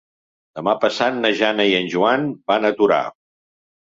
Demà passat na Jana i en Joan van a Torà.